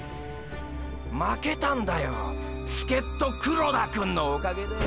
負けたんだよ“助っ人黒田くん”のおかげで。